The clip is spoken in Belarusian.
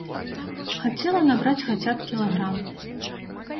Хацела набраць хаця б кілаграм.